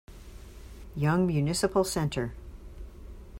Young Municipal Center.